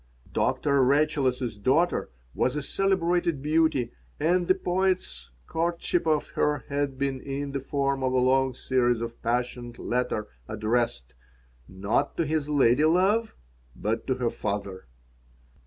Doctor Rachaeles's daughter was a celebrated beauty and the poet's courtship of her had been in the form of a long series of passionate letters addressed, not to his lady love, but to her father.